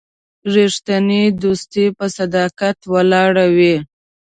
رښتینی دوستي په صداقت ولاړه وي.